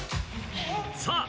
さあ